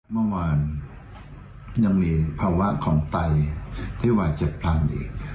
เมื่อวานยังมีภาวะของไตที่วายเจ็บพังอีก